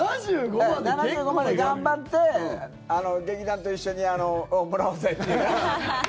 ７５まで頑張って劇団と一緒にもらおうぜっていう。